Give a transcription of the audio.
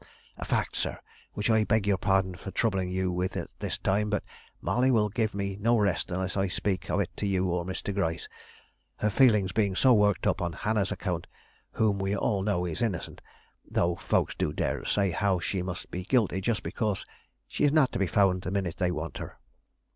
"A fact, sir; which I beg your pardon for troubling you with at this time; but Molly will give me no rest unless I speak of it to you or Mr. Gryce; her feelings being so worked up on Hannah's account, whom we all know is innocent, though folks do dare to say as how she must be guilty just because she is not to be found the minute they want her."